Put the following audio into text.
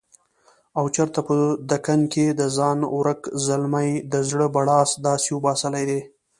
او چرته په دکن کښې دځانه ورک زلمي دزړه بړاس داسې وباسلے دے